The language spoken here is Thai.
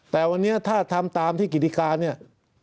แต่วันนี้ถ้าทำตามที่กิตติกา